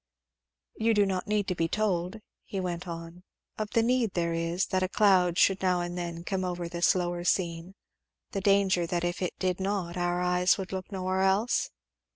"You do not need to be told," he went on, "of the need there is that a cloud should now and then come over this lower scene the danger that if it did not our eyes would look nowhere else?"